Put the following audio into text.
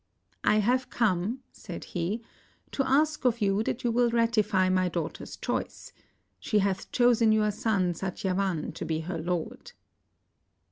" I have come," said he, " to ask of you that you will ratify my daughter's choice; she hath chosen your son Satyavan to be her lord."